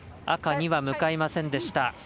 赤には向かいませんでした。